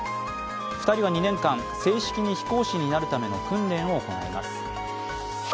２人は２年間、正式に飛行士になるための訓練を行います。